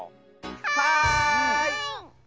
はい！